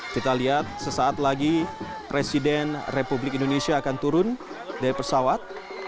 kita lihat sesaat lagi presiden republik indonesia akan turun dari pesawat